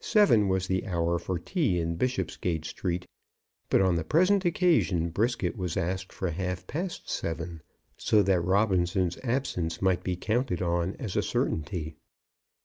Seven was the hour for tea in Bishopsgate Street, but on the present occasion Brisket was asked for half past seven, so that Robinson's absence might be counted on as a certainty.